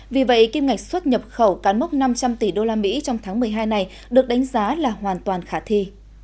vì vậy kim ngạch xuất nhập khẩu cán mốc năm trăm linh tỷ usd trong tháng một mươi hai này được đánh giá là hoàn toàn khả thi